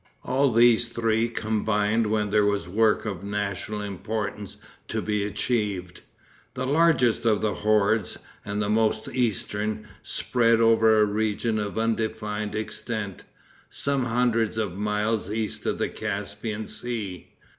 All these three combined when there was a work of national importance to be achieved. The largest of the hordes, and the most eastern, spread over a region of undefined extent, some hundreds of miles east of the Caspian Sea.